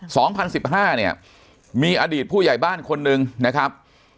สองพันสิบห้าเนี่ยมีอดีตผู้ใหญ่บ้านคนหนึ่งนะครับ